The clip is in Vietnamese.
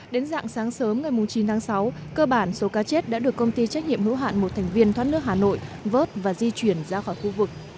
đến dạng sáng sớm ngày chín tháng sáu cơ bản số cá chết đã được công ty trách nhiệm hữu hạn một thành viên thoát nước hà nội vớt và di chuyển ra khỏi khu vực